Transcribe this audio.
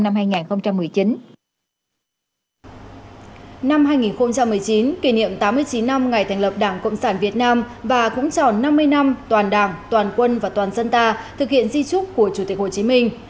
năm hai nghìn một mươi chín kỷ niệm tám mươi chín năm ngày thành lập đảng cộng sản việt nam và cũng chọn năm mươi năm toàn đảng toàn quân và toàn dân ta thực hiện di trúc của chủ tịch hồ chí minh